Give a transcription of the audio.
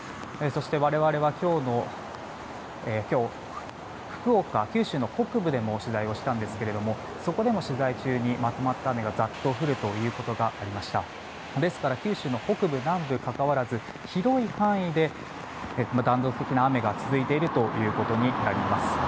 そして我々は今日福岡、九州北部でも取材をしたんですがそこでも取材中にまとまった雨がざっと降ることがありましたですから九州の北部南部かかわらず広い範囲で断続的な雨が続いてるということになります。